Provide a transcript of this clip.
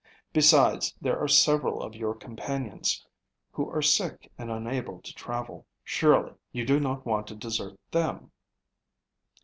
Besides, there are several of your companions who are sick and unable to travel. Surely you do not want to desert them.